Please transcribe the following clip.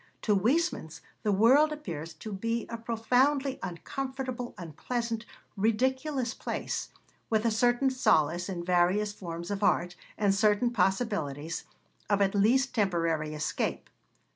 To Huysmans the world appears to be a profoundly uncomfortable, unpleasant, ridiculous place, with a certain solace in various forms of art, and certain possibilities of at least temporary escape.